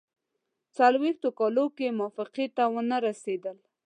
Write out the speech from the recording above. څلوېښتو کالو کې موافقې ته ونه رسېدل.